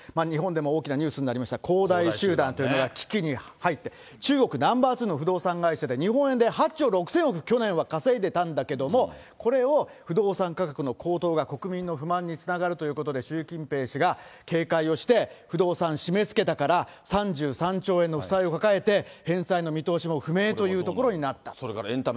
日本でも大きなニュースになりました、恒大集団というのが危機に入って、中国ナンバー２の不動産会社で、日本円で８兆６０００億、去年は稼いでたんだけども、これを、不動産価格の高騰が国民の不満につながるということで、習近平氏が警戒をして、不動産締めつけたから、３３兆円の負債を抱えて、返済の見通しも不明ということになった。